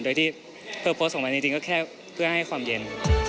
โดยที่มันจริงก็แค่เพื่อให้ความเย็น